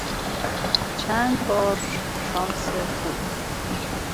چند بار شانس خوب